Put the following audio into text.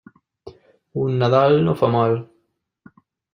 Un Nadal no fa mal.